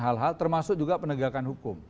hal hal termasuk juga penegakan hukum